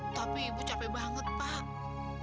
tapi ibu capek banget pak